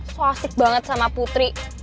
suasik banget sama putri